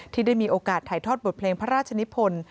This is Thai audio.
ที่ได้มีโอกาสถ่ายทอดบทเพลงพระราชนิพล